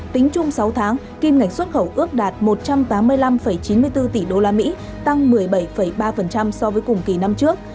tính chung sáu tháng kim ngạch xuất khẩu ước đạt một trăm tám mươi năm chín mươi bốn tỷ usd tăng một mươi bảy ba so với cùng kỳ năm trước